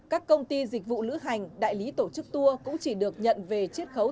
các công ty dịch vụ lữ hành đại lý tổ chức tour cũng chỉ được nhận về triết khấu